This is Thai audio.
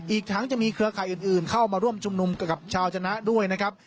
อีกทั้งจะมีเครือข่ายอื่นเข้ามาร่วมชุมนุมกับชาวชนะด้วยนะครับ